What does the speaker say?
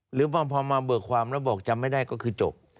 หรือพอมาเบิกความแล้วบอกจำไม่ได้ก็คือจบ